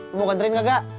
lo mau kantorin kagak